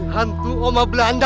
hantu oma belanda